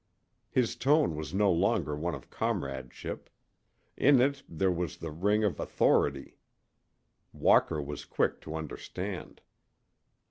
His tone was no longer one of comradeship. In it there was the ring of authority. Walker was quick to understand.